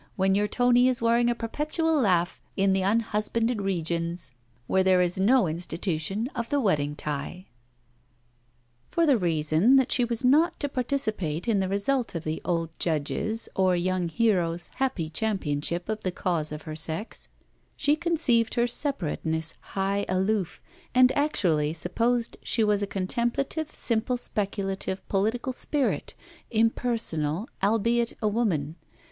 when your Tony is wearing a perpetual laugh in the unhusbanded regions where there is no institution of the wedding tie.' For the reason that she was not to participate in the result of the old Judge's or young hero's happy championship of the cause of her sex, she conceived her separateness high aloof, and actually supposed she was a contemplative, simply speculative political spirit, impersonal albeit a woman.